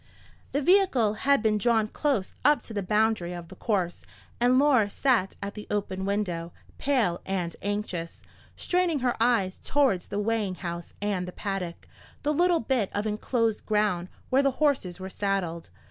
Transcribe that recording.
The vehicle had been drawn close up to the boundary of the course, and Laura sat at the open window, pale and anxious, straining her eyes towards the weighing house and the paddock, the little bit of enclosed ground where the horses were saddled.